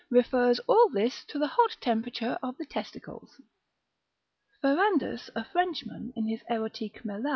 refers all this to the hot temperature of the testicles, Ferandus a Frenchman in his Erotique Mel.